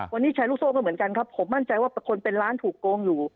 วันนี้แชร์ลูกโซ่ก็เหมือนกันครับผมมั่นใจว่าคนเป็นล้านถูกโกงอยู่